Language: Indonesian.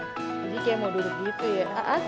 jadi kayak mau duduk gitu ya